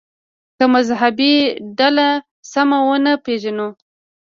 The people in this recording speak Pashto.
که مذهبي ډله سمه ونه پېژنو.